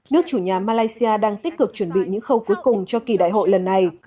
nước chủ nhà malaysia đang tích cực chuẩn bị những khâu cuối cùng cho kỳ đại hội lần này